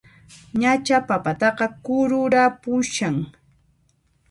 Ñachá papataqa kururanpushan!